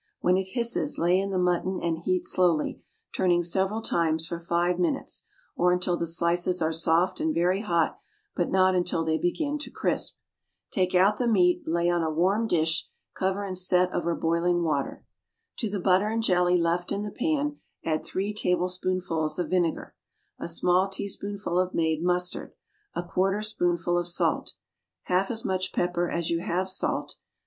When it hisses lay in the mutton and heat slowly—turning several times—for five minutes, or until the slices are soft and very hot, but not until they begin to crisp. Take out the meat, lay on a warmed dish, cover and set over boiling water. To the butter and jelly left in the pan add three tablespoonfuls of vinegar. A small teaspoonful of made mustard. A quarter spoonful of salt. Half as much pepper as you have salt.